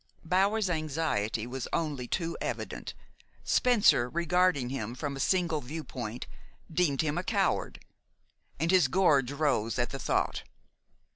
Bower's anxiety was only too evident. Spencer, regarding him from a single viewpoint, deemed him a coward, and his gorge rose at the thought.